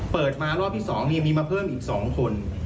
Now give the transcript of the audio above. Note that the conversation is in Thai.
เปิดมารอบที่๒มีมาเพิ่มอีก๒คน